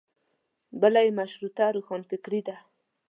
بله یې مشروطیه روښانفکري وه.